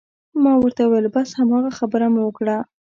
ما ورته وویل: بس هماغه خبره مو وکړه.